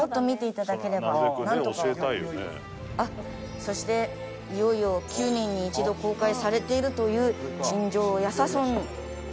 そしていよいよ９年に一度公開されているという鎮将夜叉尊。